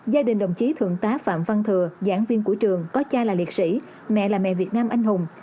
gia đình đồng chí thượng tá phạm văn thừa giảng viên của trường có cha là liệt sĩ mẹ là mẹ việt nam anh hùng